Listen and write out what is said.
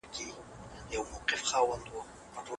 که ځواني وي نو کار نه پاتیږي.